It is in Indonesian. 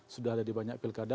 sudah ada di banyak pilkada